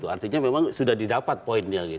artinya memang sudah didapat poinnya